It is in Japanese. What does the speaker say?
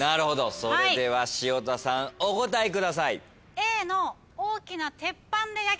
それでは潮田さんお答えください。